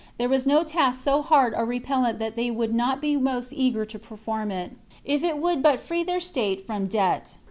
There was no task so hard or repellent that they would not be most eager to perform it, if it would but free their state from debt.